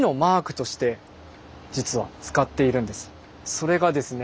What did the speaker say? それがですね